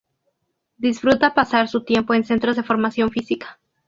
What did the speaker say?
Disfruta pasar su tiempo en centros de formación física.